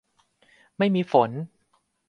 ไม่มีฝน